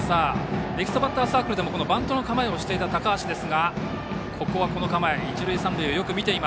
ネクストバッターズサークルでもバントの構えをしていた高橋です。